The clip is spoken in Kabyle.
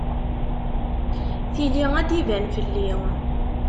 Tili ad d-iban fell-i.